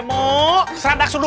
gak ada apa apa